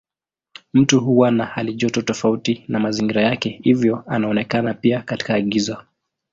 Mtu huwa na halijoto tofauti na mazingira yake hivyo anaonekana pia katika giza.